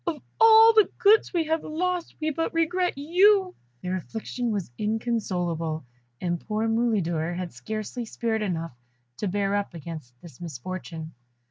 Of all the goods we have lost we but regret you!" Their affliction was inconsolable, and poor Mulidor had scarcely spirit enough to bear up against this misfortune.